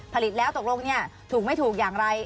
ผลิตแล้วตกลงถูกไม่ถูกอย่างไร